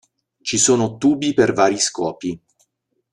Ci sono tubi per vari scopi.